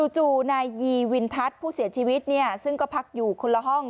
จู่นายยีวินทัศน์ผู้เสียชีวิตซึ่งก็พักอยู่คนละห้อง